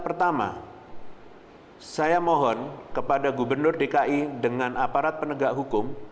pertama saya mohon kepada gubernur dki dengan aparat penegak hukum